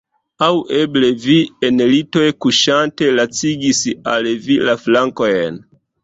Aŭ eble vi, en litoj kuŝante, lacigis al vi la flankojn?